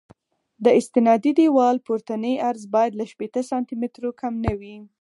د استنادي دیوال پورتنی عرض باید له شپېته سانتي مترو کم نه وي